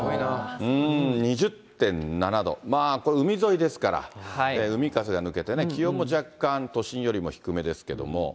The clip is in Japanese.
２０．７度、まあ、これ、海沿いですから、海風が抜けてね、気温も若干、都心よりも低めですけども。